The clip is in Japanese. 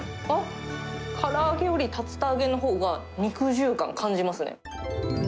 あっ、から揚げより竜田揚げのほうが肉汁感、感じますね。